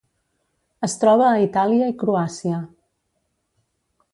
Es troba a Itàlia i Croàcia.